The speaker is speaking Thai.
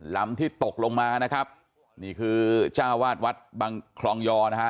ลำที่ตกลงมานะครับนี่คือจ้าวาดวัดบังคลองยอนะฮะ